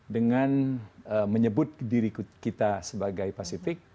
dengan menyebut diri kita sebagai pasifik